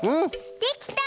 できた！